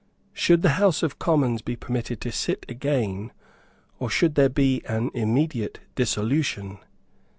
Should the House of Commons be permitted to sit again, or should there be an immediate dissolution?